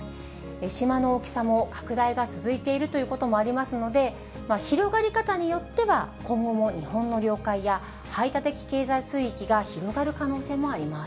島の大きさも拡大が続いているということもありますので、広がり方によっては、今後も日本の領海や排他的経済水域が広がる可能性もあります。